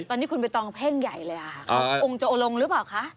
ตอนนี้คุณใบตองเพ่งใหญ่เลยค่ะองค์จะโอลงหรือเปล่าคะ